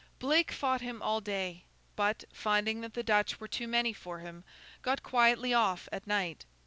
Blake fought him all day; but, finding that the Dutch were too many for him, got quietly off at night.